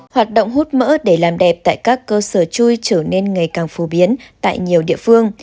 hoạt động hút mỡ để làm đẹp tại các cơ sở chui trở nên ngày càng phổ biến tại nhiều địa phương